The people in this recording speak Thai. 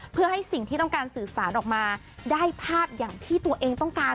เพื่อให้สิ่งที่ต้องการสื่อสารออกมาได้ภาพอย่างที่ตัวเองต้องการ